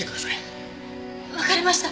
わかりました。